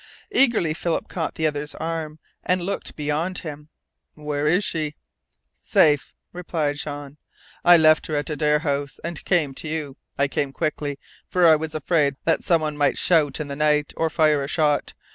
Eagerly Philip caught the other's arm, and looked beyond him. "Where is she?" "Safe," replied Jean. "I left her at Adare House, and came to you. I came quickly, for I was afraid that some one might shout in the night, or fire a shot.